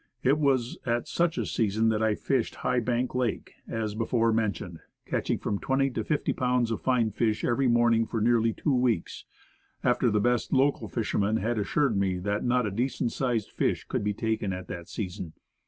It was at such a season that I fished High Bank Lake as before mentioned catching from forty to fifty pounds of fine fish every morning for nearly two weeks, after the best local fishermen had assured me that not a decent sized fish could be taken at that season.